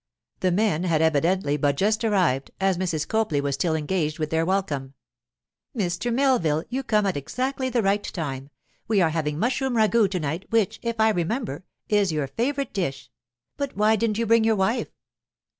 The men had evidently but just arrived, as Mrs. Copley was still engaged with their welcome. 'Mr. Melville, you come at exactly the right time. We are having mushroom ragoût to night, which, if I remember, is your favourite dish—but why didn't you bring your wife?